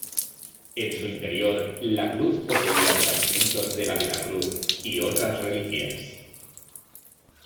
En su interior, la cruz poseía fragmentos de la Vera Cruz y otras reliquias.